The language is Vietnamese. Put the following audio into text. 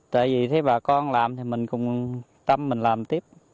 tại vì thế bà con làm thì mình cũng tâm mình làm tiếp